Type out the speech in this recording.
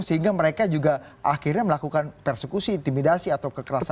sehingga mereka juga akhirnya melakukan persekusi intimidasi atau kekerasan